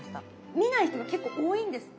見ない人が結構多いんですって。